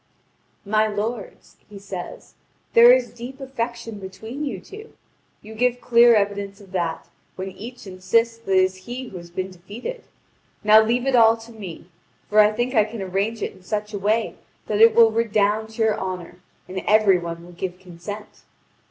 "My lords," he says, "there is deep affection between you two. You give clear evidence of that, when each insists that it is he who has been defeated. Now leave it all to me! For I think I can arrange it in such a way that it will redound to your honour, and every one will give consent."